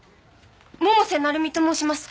桃瀬成海と申します。